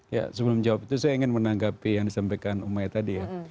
ya sebelum jawab itu saya ingin menanggapi yang disampaikan umai tadi ya